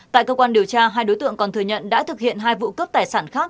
tại cơ quan điều tra hai đối tượng còn thừa nhận đã thực hiện hai vụ cướp tài sản khác